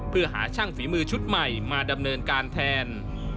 เพื่อหาช่างฝีมือชุดใหม่มาดำเนินการแทน